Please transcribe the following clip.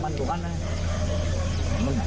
เจ้าหรือยังเจ้าหรือยัง